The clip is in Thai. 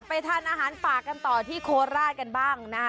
ทานอาหารปากกันต่อที่โคราชกันบ้างนะฮะ